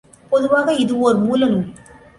பொதுவாக இதுவோர் மூலநூல்.